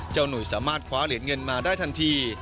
หนุ่ยสามารถคว้าเหรียญเงินมาได้ทันที